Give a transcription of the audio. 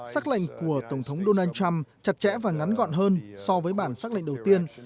xác lệnh của tổng thống donald trump chặt chẽ và ngắn gọn hơn so với bản sắc lệnh đầu tiên